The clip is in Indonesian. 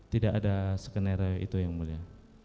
tidak ada skenario itu yang mulia